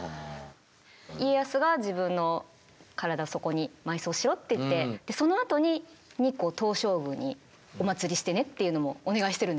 家康が自分の体をそこに埋葬しろって言ってそのあとに日光東照宮にお祀りしてねっていうのもお願いしてるんですよね。